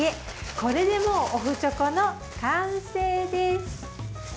これでもうお麩チョコの完成です。